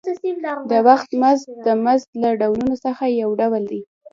د وخت مزد د مزد له ډولونو څخه یو ډول دی